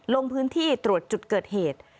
ลงพื้นที่ตรวจจุดเกิดเหตุ